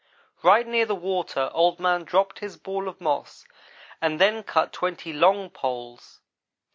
"Right near the water Old man dropped his ball of moss and then cut twenty long poles.